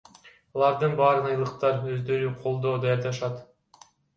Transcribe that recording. Алардын баарын айылдыктар өздөрү колдо даярдашат.